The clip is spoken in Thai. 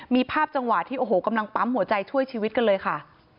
มีภาพจังหวะที่โอ้โหกำลังปั๊มหัวใจช่วยชีวิตกันเลยค่ะ